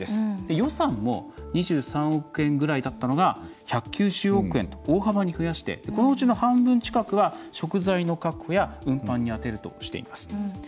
予算も２３億円ぐらいだったのが１９０億円と大幅に増やしてこのうちの半分近くは食材の確保や運搬に充てるとしています。